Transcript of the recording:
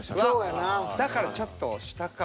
だからちょっと下か。